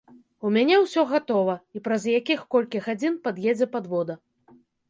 У мяне ўсё гатова, і праз якіх колькі гадзін пад'едзе падвода.